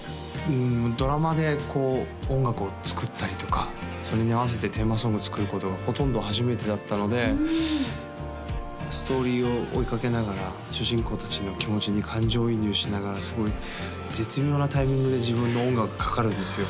うんドラマでこう音楽を作ったりとかそれに合わせてテーマソングを作ることがほとんど初めてだったのでストーリーを追いかけながら主人公達の気持ちに感情移入しながらすごい絶妙なタイミングで自分の音楽がかかるんですよ